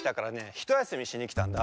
ひとやすみしにきたんだ。